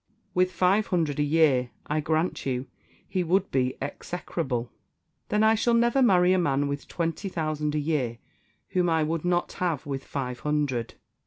With five hundred a year, I grant you, he would be execrable." "Then I shall never marry a man with twenty thousand a year whom I would not have with five hundred."